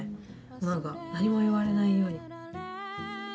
何か何も言われないように。